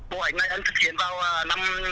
bộ ảnh này anh thực hiện vào năm